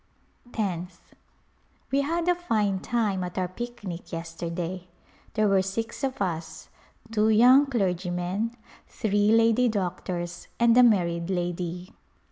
Tenth. We had a fine time at our picnic yesterday. There were six of us ; two young clergymen, three lady doctors and a married lady.